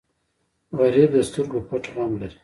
غریب د سترګو پټ غم لري